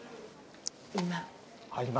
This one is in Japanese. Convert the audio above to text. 今。